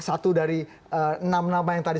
satu dari enam nama yang tadi